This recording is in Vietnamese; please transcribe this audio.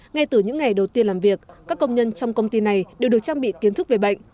ngay từ những ngày đầu tiên làm việc các công nhân trong công ty này đều được trang bị kiến thức về bệnh